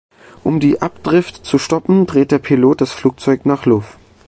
Um die Abdrift zu stoppen, dreht der Pilot das Flugzeug nach Luv.